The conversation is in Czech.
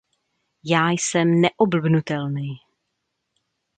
Já jsem neoblbnutelný.